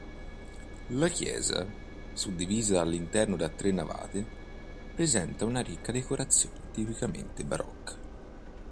La chiesa, suddivisa all'interno da tre navate, presenta una ricca decorazione tipicamente barocca.